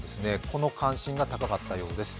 この関心が高かったようです。